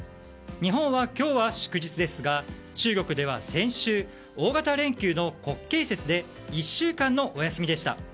日本は今日は祝日ですが中国では、先週大型連休の国慶節で１週間のお休みでした。